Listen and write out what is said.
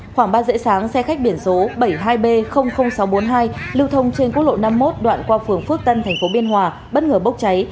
khoảng ba giờ sáng xe khách biển số bảy mươi hai b sáu trăm bốn mươi hai lưu thông trên quốc lộ năm mươi một đoạn qua phường phước tân tp biên hòa bất ngờ bốc cháy